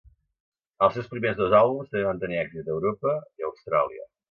Els seus primers dos àlbums també van tenir èxit a Europa i a Austràlia.